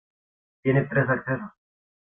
Tiene tres accesos.